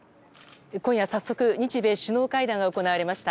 今夜早速、日米首脳会議が行われました。